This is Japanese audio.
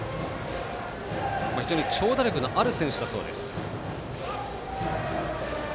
非常に長打力のある選手だそうです。